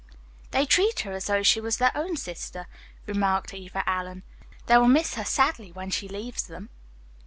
"They treat her as though she were their own sister," remarked Eva Allen. "They will miss her sadly when she leaves them."